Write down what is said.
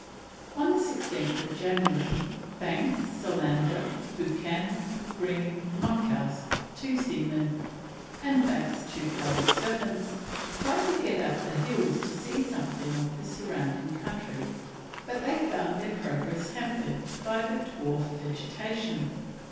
On 16th January, Banks, Solander, Buchan, Green, Monkhouse, two seamen, and Banks's two coloured servants, tried to get up the hills to see something of the surrounding country, but they found their progress hampered by the dwarf vegetation.